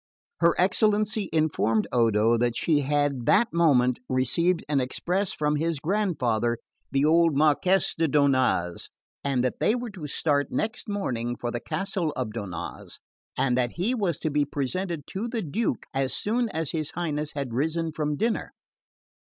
Her excellency informed Odo that she had that moment received an express from his grandfather, the old Marquess di Donnaz; that they were to start next morning for the castle of Donnaz, and that he was to be presented to the Duke as soon as his Highness had risen from dinner.